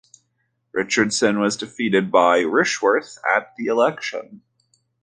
Richardson was defeated by Rishworth at the election.